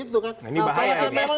nah ini bahaya